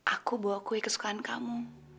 aku bawa akui kesukaan kamu